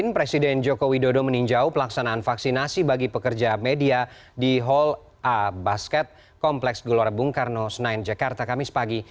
presiden joko widodo meninjau pelaksanaan vaksinasi bagi pekerja media di hall a basket kompleks gelora bung karno senayan jakarta kamis pagi